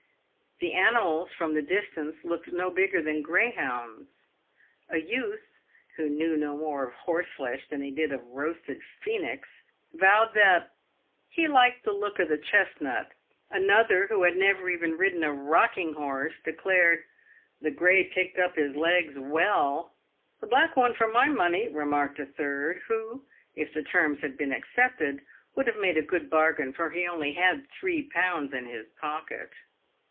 The animals, from the distance, looked no bigger than greyhounds. A youth, who knew no more of horseflesh than he did of roasted Phoenix, vowed that " he liked the look o' the chesnut." Another, who had never even ridden a rocking horse, declared " the grey picked his legs up well." " The black one for my money," remarked a third, who, if the terms had been accepted, would have made a good bargain, for he only had three pounds in his pocket.